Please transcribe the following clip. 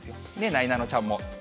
なえなのちゃんも。